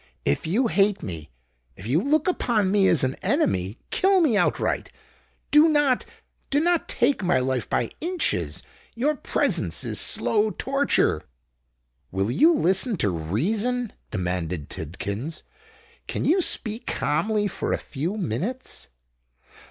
If you hate me—if you look upon me as an enemy, kill me outright:—do not—do not take my life by inches. Your presence is slow torture!" "Will you listen to reason?" demanded Tidkins: "can you speak calmly for a few minutes?"